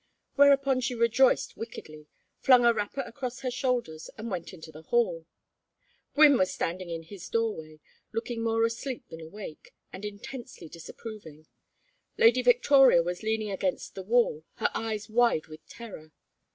Whereupon she rejoiced wickedly, flung a wrapper across her shoulders, and went into the hall. Gwynne was standing in his doorway, looking more asleep than awake, and intensely disapproving. Lady Victoria was leaning against the wall, her eyes wide with terror.